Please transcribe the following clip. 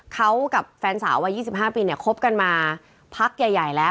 เขากับแฟนสาววัย๒๕ปีเนี่ยคบกันมาพักใหญ่แล้ว